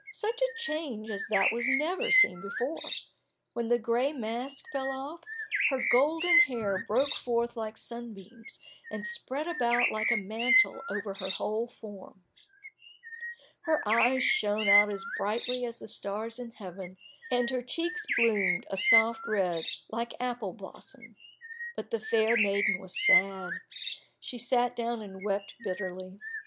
Such a change as that was never seen before! When the gray mask fell off, her golden hair broke forth like sunbeams, and spread about like a mantle over her whole form. Her eyes shone out as brightly as the stars in heaven, and her cheeks bloomed a soft red like apple blossom. But the fair maiden was sad. She sat down and wept bitterly.